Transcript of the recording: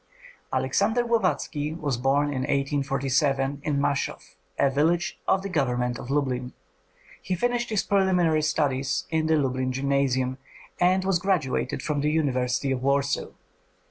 Alexander Glovatski was born in 1847 in Mashov, a village of the Government of Lublin. He finished his preliminary studies in the Lublin Gymnasium, and was graduated from the University of Warsaw.